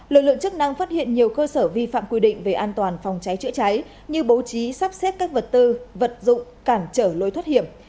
lực lượng chức năng phát hiện nhiều cơ sở vi phạm quy định về an toàn phòng cháy chữa cháy như bố trí sắp xếp các vật tư vật dụng cản trở lối thoát hiểm